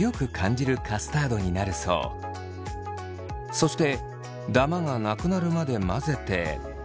そしてダマがなくなるまで混ぜて。